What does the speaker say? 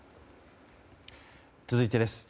続いてです。